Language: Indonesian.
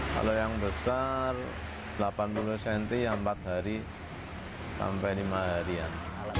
kalau yang besar delapan puluh cm yang empat hari sampai lima harian